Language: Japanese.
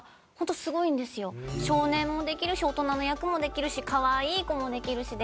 少年もできるし大人の役もできるしかわいい子もできるしで。